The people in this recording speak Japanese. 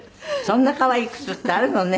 そんな可愛い靴ってあるのね。